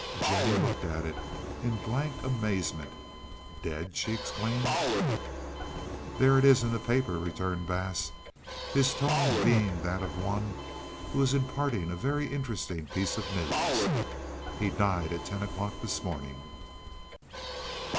Jennie looked at it in blank amazement. "Dead?" she exclaimed. "There it is in the paper," returned Bass, his tone being that of one who is imparting a very interesting piece of news. "He died at ten o'clock this morning."